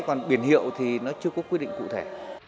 còn biển hiệu thì nó chưa có quy định cụ thể